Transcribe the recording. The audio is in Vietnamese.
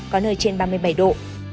có nơi trên ba mươi bảy độ